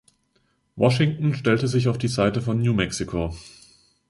Washington stellte sich auf die Seite von New Mexico.